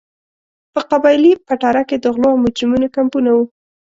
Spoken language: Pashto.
په قبایلي پټاره کې د غلو او مجرمینو کمپونه وو.